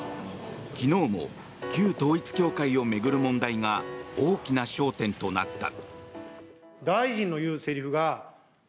昨日も旧統一教会を巡る問題が大きな焦点となった。